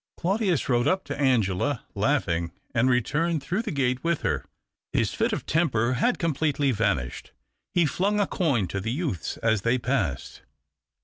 Claudius rode up to Angela, laughing, and ■eturned throuoh the i^ate with her. His fit >f temper had completely vanished. He flung I coin to the youths as they passed.